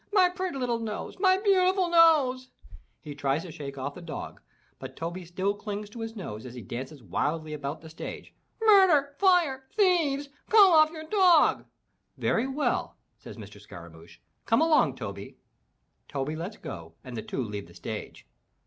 my pretty little nose, my beautiful nose!*' He tries to shake off the dog, but Toby still clings to his nose as he dances wildly around the stage. "Murder! Fire! Thieves! Call ofif your dog!*' "Very well," says Mr. Scaramouch, "come along, Toby!" Toby lets go and the two leave the stage.